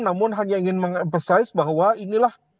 namun hanya ingin mengemphasize bahwa inilah